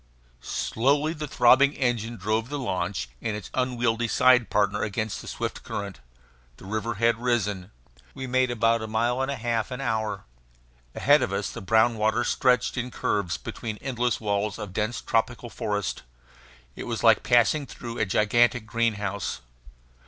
Slowly the throbbing engine drove the launch and its unwieldy side partner against the swift current. The river had risen. We made about a mile and a half an hour. Ahead of us the brown water street stretched in curves between endless walls of dense tropical forest. It was like passing through a gigantic greenhouse.